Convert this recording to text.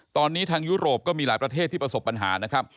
ตอนนี้ทางยุโรปก็มีหลายประเทศที่ประสบปัญหานะครับ